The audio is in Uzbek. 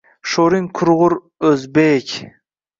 «Sho‘ring qurg‘ur... o‘zbek»